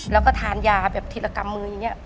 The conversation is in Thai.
แล้วก็ทานยาแบบทีละกำมืออย่างนี้